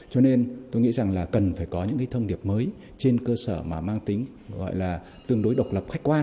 cho nên tôi nghĩ rằng là cần phải có những cái thông điệp mới trên cơ sở mà mang tính gọi là tương đối độc lập khách quan